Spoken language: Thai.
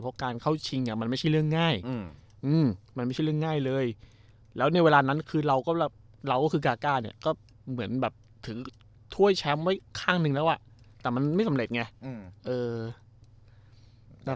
เพราะการเข้าชิงมันไม่ใช่เรื่องง่ายมันไม่ใช่เรื่องง่ายเลยแล้วในเวลานั้นคือเราก็เราก็คือกาก้าเนี่ยก็เหมือนแบบถึงถ้วยแชมป์ไว้ข้างหนึ่งแล้วอ่ะแต่มันไม่สำเร็จไง